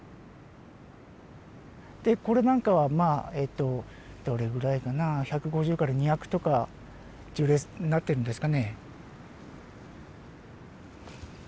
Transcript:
でこれなんかはまあえっとどれぐらいかな１５０２００とか樹齢なってるんですかね。